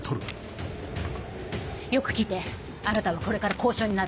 よく聞いてあなたはこれから交渉人になる。